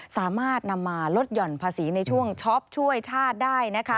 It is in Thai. สามารถนำมาลดหย่อนภาษีในช่วงช็อปช่วยชาติได้นะคะ